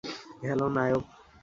Hello, Naik!